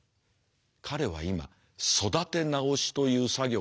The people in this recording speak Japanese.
彼は今育て直しという作業のただ中だ。